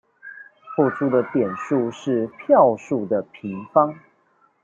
付出的點數是票數的平方